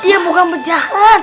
dia muka menjahat